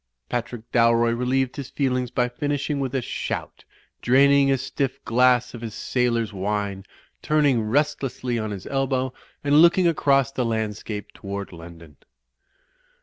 Patrick Dalroy relieved his feelings by finishing with a shout, draining a stiff glass of his sailor's wine, turning restlessly on his elbow and looking across the landscape toward London.